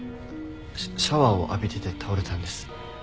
シャワーを浴びてて倒れたんです。